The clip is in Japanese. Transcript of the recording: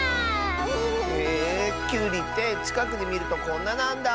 へえきゅうりってちかくでみるとこんななんだ。